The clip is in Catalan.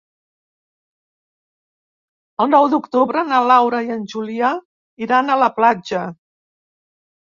El nou d'octubre na Laura i en Julià iran a la platja.